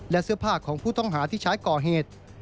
และเสื้อผ้าของผู้ต้องหาที่ใช้ก่อเหตุ